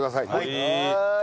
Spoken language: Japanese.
はい。